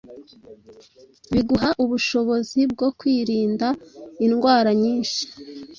biguha ubushobozi bwo kwirinda indwara nyinshi